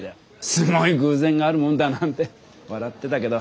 すごい偶然があるもんだなんて笑ってたけど。